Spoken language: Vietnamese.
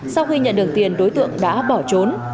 sau khi nhận được tiền đối tượng đã bỏ trốn